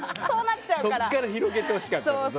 そこから広げてほしかったね。